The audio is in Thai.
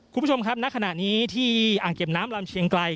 คุณผู้ชมครับณขณะนี้ที่อ่างเก็บน้ำลำเชียงไกล